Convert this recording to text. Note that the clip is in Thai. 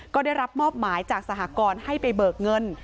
ก็ได้รับมอบหมายจากสหกรณ์ให้ไปเบิกเงิน